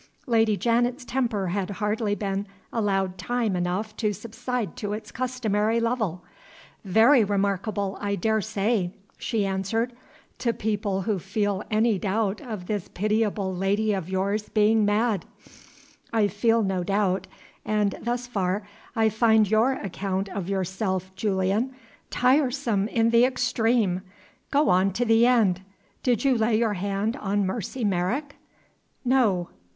Lady Janet's temper had hardly been allowed time enough to subside to its customary level. "Very remarkable, I dare say," she answered, "to people who feel any doubt of this pitiable lady of yours being mad. I feel no doubt and, thus far, I find your account of yourself, Julian, tiresome in the extreme. Go on to the end. Did you lay your hand on Mercy Merrick?" "No."